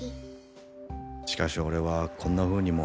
しかし俺はこんなふうにも思うなあ。